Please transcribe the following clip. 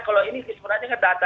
kalau ini sebenarnya data